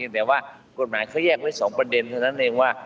แต่ว่ากฎหมายเขาแยกไว้๒ประเด็นเท่านั้นเองว่า